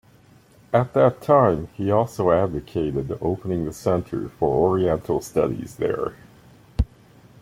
At that time, he also advocated opening the Center for Oriental Studies there.